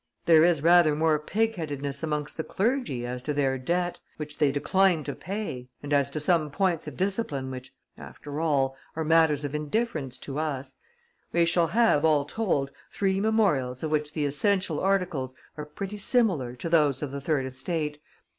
There is rather more pigheadedness amongst the clergy as to their debt, which they decline to pay, and as to some points of discipline which, after all, are matters of indifference to us; we shall have, all told, three memorials of which the essential articles are pretty similar to those of the third estate.